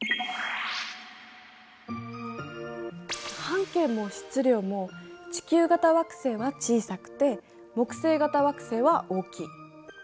半径も質量も地球型惑星は小さくて木星型惑星は大きい。